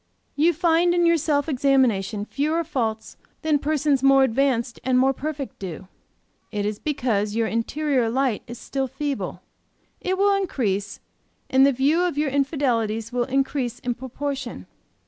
"You find in your self examination fewer faults than persons more advanced and more perfect do; it is because your interior light is still feeble. It will increase, and the view of your infidelities will increase in proportion.